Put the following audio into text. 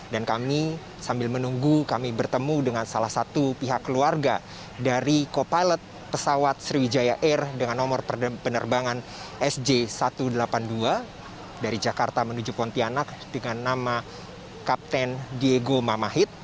dan kami sambil menunggu kami bertemu dengan salah satu pihak keluarga dari co pilot pesawat sriwijaya air dengan nomor penerbangan sj satu ratus delapan puluh dua dari jakarta menuju pontianak dengan nama kapten diego mamahit